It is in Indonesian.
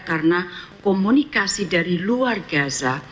karena komunikasi dari luar gaza